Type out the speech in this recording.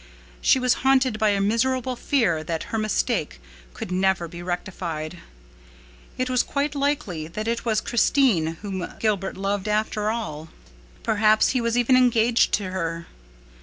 She was haunted by a miserable fear that her mistake could never be rectified. It was quite likely that it was Christine whom Gilbert loved after all. Perhaps he was even engaged to her.